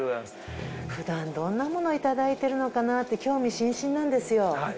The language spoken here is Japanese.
ふだんどんなものいただいてるのかなって興味津々なんですよ